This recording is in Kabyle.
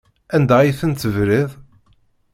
Anda ay ten-tebriḍ?